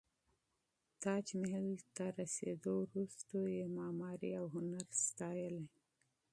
تاج محل ته رسېدو وروسته یې معماري او هنر ستایلی.